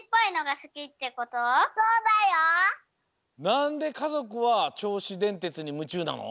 なんでかぞくはちょうしでんてつにむちゅうなの？